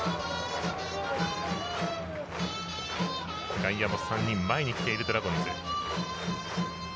外野も３人前にきているドラゴンズ。